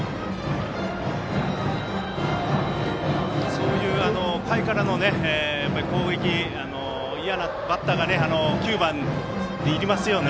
そういう下位からの攻撃嫌なバッターが９番にいますよね。